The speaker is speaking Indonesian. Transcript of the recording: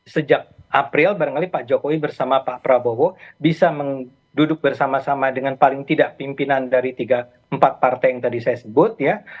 sejak april barangkali pak jokowi bersama pak prabowo bisa duduk bersama sama dengan paling tidak pimpinan dari tiga empat partai yang tadi saya sebut ya